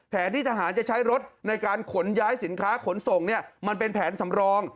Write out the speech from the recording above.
ที่ทหารจะใช้รถในการขนย้ายสินค้าขนส่งเนี่ยมันเป็นแผนสำรอง